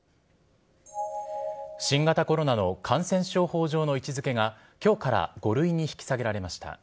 新型コロナの感染症法上の位置づけがきょうから５類に引き下げられました。